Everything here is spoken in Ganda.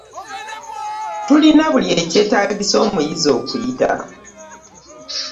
Tulina buli ekyetaagisa omuyizi okuyita.